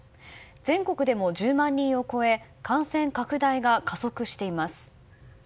全国でも１０万人を超え感染拡大が加速しています。